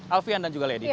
alvian dan juga lady